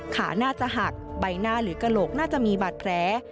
ขาน่าจะหักใบหน้าหรือกระโหลกน่าจะมีบาดแผล